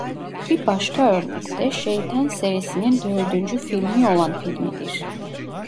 Bir başka örnek de Şeytan serisinin dördüncü filmi olan filmidir.